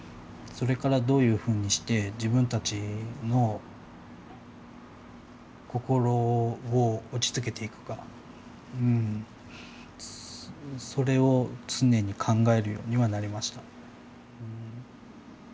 それからどういうふうにして自分たちの心を落ち着けていくかそれを常に考えるようにはなりました。